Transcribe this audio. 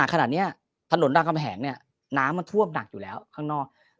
ขนาดนี้ถนนรามคำแหงเนี่ยน้ำมันท่วมหนักอยู่แล้วข้างนอก